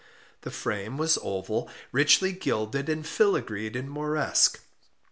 The frame was oval, richly gilded and filigreed in Moresque.